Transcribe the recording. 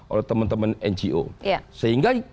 oleh teman teman ngo sehingga